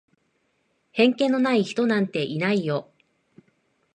偏見のない人なんていないよ。